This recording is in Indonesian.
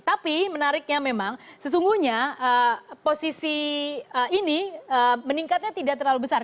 tapi menariknya memang sesungguhnya posisi ini meningkatnya tidak terlalu besar